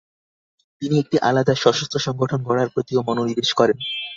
তিনি একটি আলাদা সশস্ত্র সংগঠন গড়ার প্রতিও মনোনিবেশ করেন।